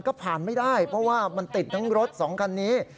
ก็ผ่านไม่ได้เพราะว่ามันติดทั้งรถสองคันนี้